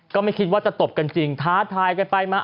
ก็ไม่คิดว่าจะตบกันจริงท้าทายกันไปมา